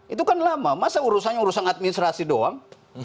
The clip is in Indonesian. itu kan lama masa urusannya urusan administrasi doang